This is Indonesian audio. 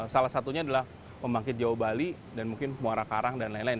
salah satunya adalah pembangkit jawa bali dan mungkin muara karang dan lain lain